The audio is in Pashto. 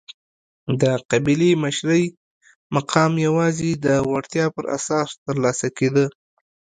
د قبیلې مشرۍ مقام یوازې د وړتیا پر اساس ترلاسه کېده.